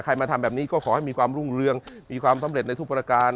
มาทำแบบนี้ก็ขอให้มีความรุ่งเรืองมีความสำเร็จในทุกประการ